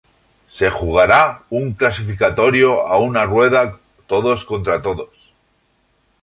Se jugará un Clasificatorio a una rueda todos contra todos.